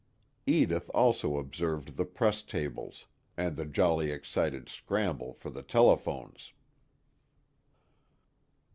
Edith also observed the press tables, and the jolly excited scramble for the telephones.